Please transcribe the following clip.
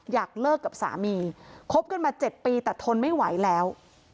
อยากเลิกกับสามีคบกันมา๗ปีแต่ทนไม่ไหวแล้ว